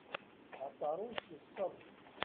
Aṭarus yesseḍ.